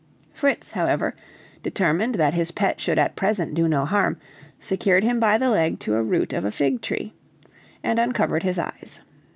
Fritz, however, determined that his pet should at present do no harm, secured him by the leg to a root of a fig tree and uncovered his eyes.